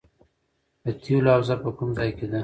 د تیلو حوزه په کوم ځای کې ده؟